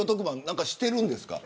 何かしているんですか。